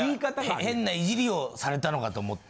変ないじりをされたのかと思って。